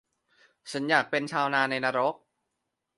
- ฉันอยากเป็นชาวนาในนรก